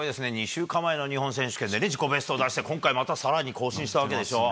２週間前の日本選手権でね、自己ベストを出して、今回、またさらに更新したわけでしょう。